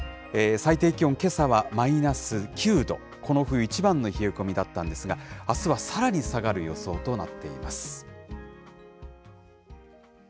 最低気温、けさはマイナス９度、この冬一番の冷え込みだったんですが、あすはさらに下がる予想となっています。